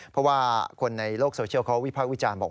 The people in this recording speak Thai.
เพราะว่าคนในโลกโซเชียลเขาวิพากษ์วิจารณ์บอก